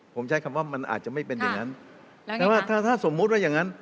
ผมใช้คำว่ามันอาจจะไม่เป็นอย่างนั้นแต่ว่าถ้าถ้าสมมุติว่าอย่างงั้น